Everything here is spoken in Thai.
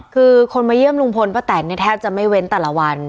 คือคนมาเยื่องโรงพลป้าแตนแทบจะไม่เว้นแต่ละวัน